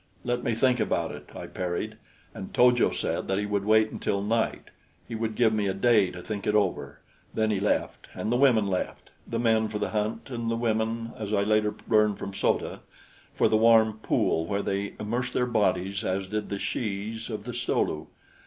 "Let me think about it," I parried, and To jo said that he would wait until night. He would give me a day to think it over; then he left, and the women left the men for the hunt, and the women, as I later learned from So ta, for the warm pool where they immersed their bodies as did the shes of the Sto lu.